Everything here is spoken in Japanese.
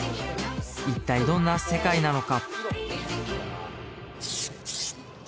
一体どんな世界なのか？